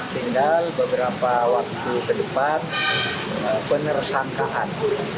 tinggal beberapa waktu kedepan penersangkaan